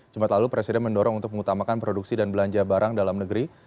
jumat lalu presiden mendorong untuk mengutamakan produksi dan belanja barang dalam negeri